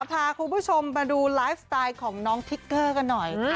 พาคุณผู้ชมมาดูไลฟ์สไตล์ของน้องทิกเกอร์กันหน่อย